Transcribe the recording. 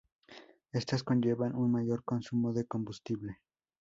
Estas conllevan un mayor consumo de combustible.